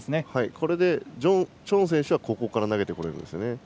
これでチョン選手はここから投げてこれますね。